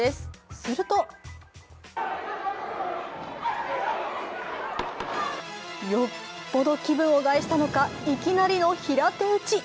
するとよっぽど気分を害したのか、いきなりの平手打ち。